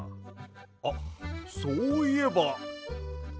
あっそういえば！